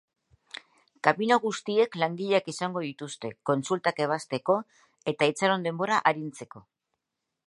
Kabina guztiek langileak izango dituzte, kontsultak ebazteko eta itxaron denbora arintzeko.